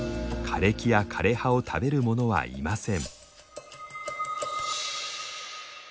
枯れ木や枯れ葉を食べるものはいません。